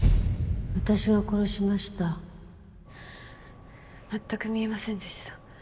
私が殺しました全く見えませんでした。